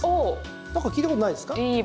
なんか聞いたことないですか？